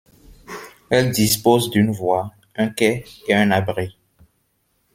Elle dispose d'une voie, un quai et un abri.